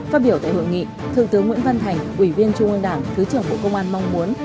phát biểu tại hội nghị thượng tướng nguyễn văn thành ủy viên trung ương đảng thứ trưởng bộ công an mong muốn